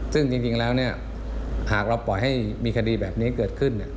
ซึ่งจริงแล้วหากเราปล่อยให้มีคดีแบบนี้เกิดขึ้น